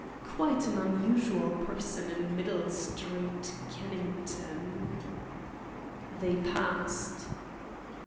Quite an unusual person in Middle Street, Kennington. They passed.